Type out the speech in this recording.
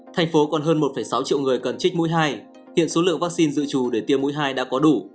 thành phố còn hơn một sáu triệu người cần trích mũi hai hiện số lượng vaccine dự trù để tiêm mũi hai đã có đủ